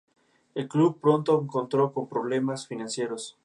El club pronto se encontró con problemas financieros.